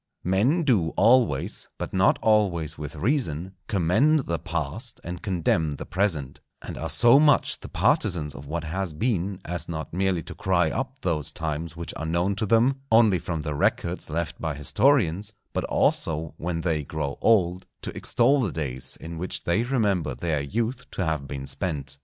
Men do always, but not always with reason, commend the past and condemn the present, and are so much the partisans of what has been, as not merely to cry up those times which are known to them only from the records left by historians, but also, when they grow old, to extol the days in which they remember their youth to have been spent.